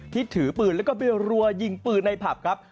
ถือปืนแล้วก็ไปรัวยิงปืนในผับครับ